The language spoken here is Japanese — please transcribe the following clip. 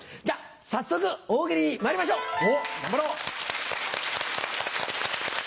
じゃ早速大喜利にまいりましょう！